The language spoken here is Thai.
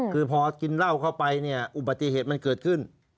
คือพอกินเหล้าเข้าไปเนี่ยอุบัติเหตุมันเกิดขึ้น